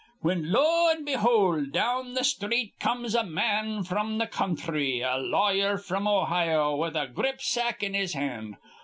Whin, lo an' behold, down th' sthreet comes a ma an fr'm th' counthry, a lawyer fr'm Ohio, with a gripsack in his hand.